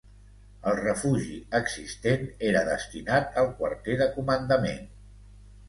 El refugi existent era destinat al quarter de comandament.